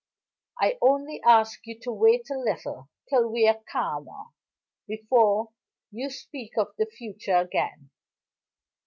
"I only ask you to wait a little till we are calmer, before you speak of the future again."